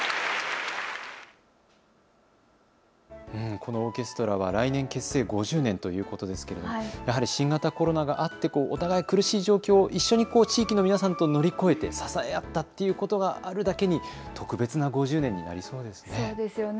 このオーケストラは来年結成５０年ということですけれどもやはり新型コロナがあってお互い苦しい状況を一緒に地域の皆さんと乗り越えて支え合ったということがあるだけに、特別な５０年になりそうですね。